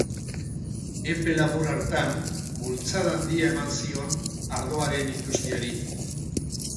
Epe labur hartan, bultzada handia eman zion ardoaren industriari.